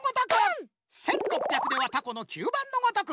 １，６００ではタコの吸盤のごとく！